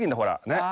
ねっ？